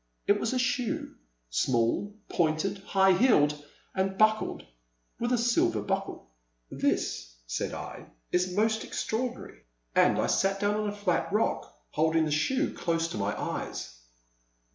It was a shoe, small, pointed, high heeled, and buckled with a silver buckle. " This," said I, ''is most extraordinary," and 90 The Silent Land. I sat down on a flat rock, holding the shoe close to my eyes.